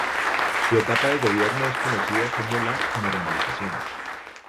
Su etapa de gobierno es conocida como la "normalización".